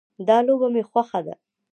دا لوبه مې خوښه ده